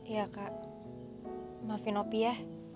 ya kak maafin opi ya